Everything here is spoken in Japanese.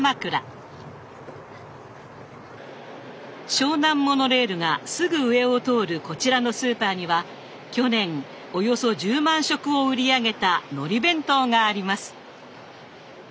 湘南モノレールがすぐ上を通るこちらのスーパーには去年およそ１０万食を売り上げたのり弁当があります。